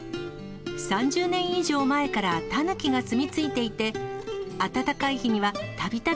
３０年以上前からタヌキが住み着いていて、暖かい日にはたびたび